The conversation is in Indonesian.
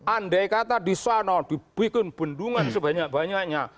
andai kata di sana dibikin bendungan sebanyak banyaknya